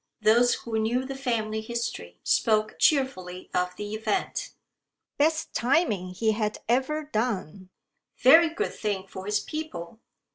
Those who knew the family history spoke cheerfully of the event. "Best timing he had ever done. Very good thing for his people.